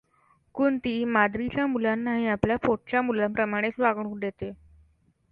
कुंति माद्रीच्या मुलांनाही आपल्या पोटच्या मुलांप्रमाणेच वागणूक देते.